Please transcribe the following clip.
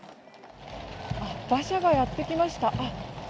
馬車がやってきました。